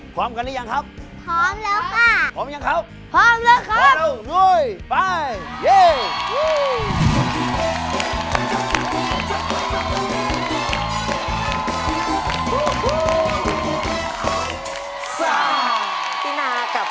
พร้อมกันนี่ยังครับพร้อมแล้วค่ะพร้อมกันยังครับ